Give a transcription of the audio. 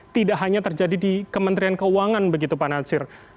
tidak hanya terjadi di kementerian keuangan begitu pak natsir